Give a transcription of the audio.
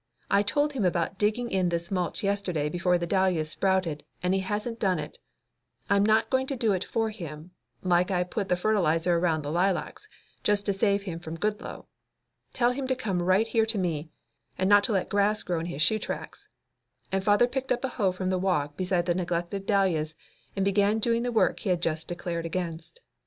I told him about digging in this mulch yesterday before the dahlias sprouted, and he hasn't done it. I'm not going to do it for him, like I put the fertilizer around the lilacs, just to save him from Goodloe. Tell him to come right here to me, and not to let grass grow in his shoe tracks," and father picked up a hoe from the walk beside the neglected dahlias and began doing the work he had just declared against.